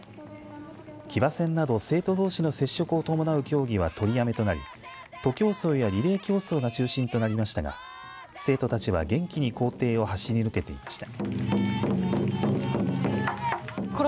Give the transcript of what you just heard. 騎馬戦など、生徒どうしの接触を伴う競技は取りやめとなり徒競走や、リレー競争が中心となりましたが生徒たちは元気に校庭を走り抜けていました。